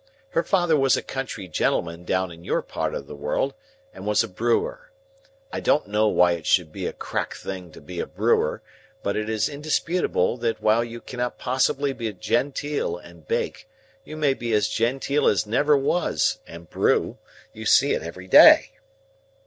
Her father was a country gentleman down in your part of the world, and was a brewer. I don't know why it should be a crack thing to be a brewer; but it is indisputable that while you cannot possibly be genteel and bake, you may be as genteel as never was and brew. You see it every day."